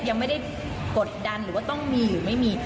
ยังไม่ได้กดดันหรือว่าต้องมีหรือไม่มี